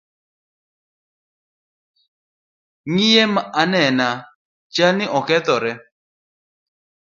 Ng’iye anena, chalni okethore.